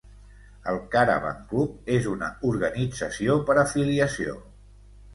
El Caravan Club és una organització per afiliació.